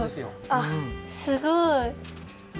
あっすごい！